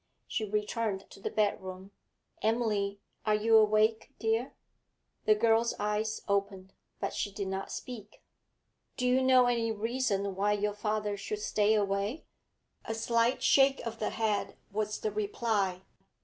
She returned to the bedroom. 'Emily, are you awake, dear?' The girl's eyes opened, but she did not speak. 'Do you know any reason why your father should stay away?' A slight shake of the head was the reply.